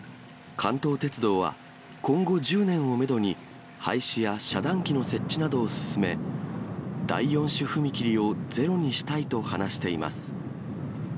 関東鉄道は、今後１０年をメドに、廃止や遮断機の設置などを進め、第４種踏切をゼロにしたいと話しています。